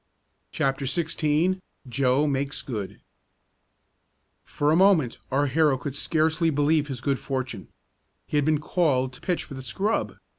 CHAPTER XVI JOE MAKES GOOD For a moment our hero could scarcely believe his good fortune. He had been called to pitch for the scrub!